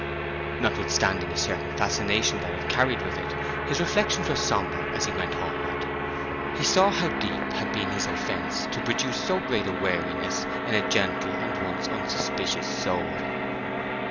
Notwithstanding a certain fascination that it carried with it, his reflections were sombre as he went homeward; he saw how deep had been his offence to produce so great a wariness in a gentle and once unsuspicious soul.